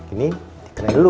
ini dikenai dulu